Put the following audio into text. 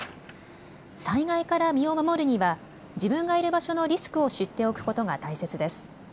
災害から身を守るには、自分がいる場所のリスクを知っておくことが大切です。